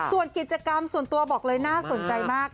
ส่วนกิจกรรมส่วนตัวบอกเลยน่าสนใจมาก